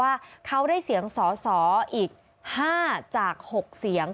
ว่าเขาได้เสียงสอสออีก๕จาก๖เสียง